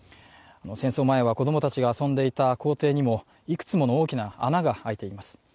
戦争前は子供たちが遊んでいた校庭にもいくつもの大きな穴が開いています。